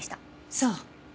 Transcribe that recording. そう。